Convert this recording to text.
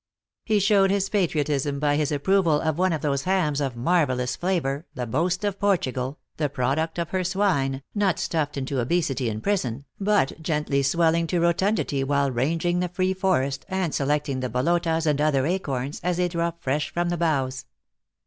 He showed his patriotism by his ap proval of one of those hams of marvelous flavor, the boast of Portugal, the product of her swine, not stuffed into obesity in prison, but gently swelling to rotundity while ranging the free forest, and selecting the Iwlotas, and other acorns, as they drop fresh from the boughs.